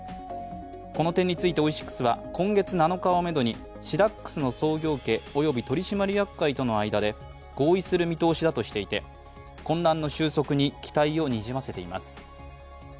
この点についてオイシックスは、今月７日をめどにシダックスの創業家及び取締役会との間で合意する見通しだとしていて混乱の収束に期待をにじませています。